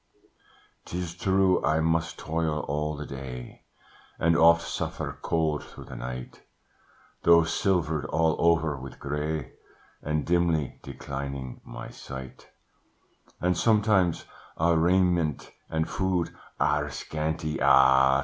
"'Tis true, I must toil all the day, And oft suffer cold through the night, Though silvered all over with grey, And dimly declining my sight: And sometimes our raiment and food Are scanty ah!